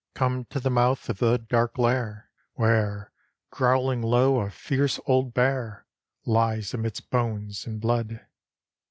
Come to the mouth of the dark lair Where, growhng low, a fierce old bear Lies amidst bones and blood.